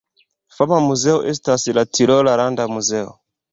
Fama muzeo estas la Tirola Landa Muzeo.